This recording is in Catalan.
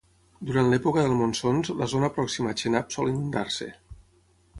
Durant l'època del monsons, la zona pròxima a Chenab sol inundar-se.